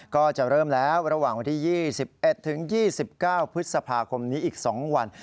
ก็จะเริ่มแล้วระหว่างวันที่๒๑๒๙พฤษภาคมนี้อีก๒วัน